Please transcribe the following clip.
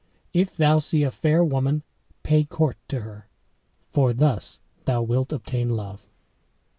If thou see a fair woman, pay court to her, for thus thou wilt obtain love."